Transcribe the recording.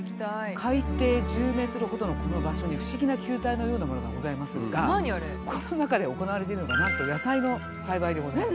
海底１０ｍほどのこの場所に不思議な球体のようなものがございますがこの中で行われているのがなんと野菜の栽培でございます。